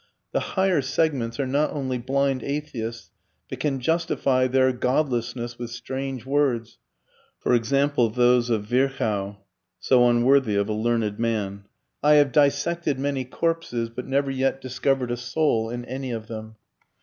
The higher segments are not only blind atheists but can justify their godlessness with strange words; for example, those of Virchow so unworthy of a learned man "I have dissected many corpses, but never yet discovered a soul in any of them."